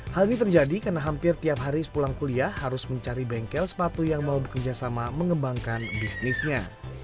hal ini terjadi karena hampir tiap hari sepulang kuliah harus mencari bengkel sepatu yang mau bekerja sama mengembangkan bisnisnya